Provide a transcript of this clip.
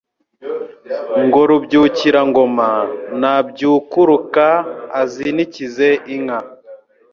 Ngo Rubyukira-ngoma Nabyukuruka* azinikize inka